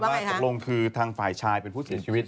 ว่าตกลงคือทางฝ่ายชายเป็นผู้เสียชีวิต